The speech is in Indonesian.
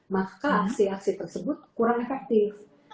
maka aksi aksi tersebut kurang efektif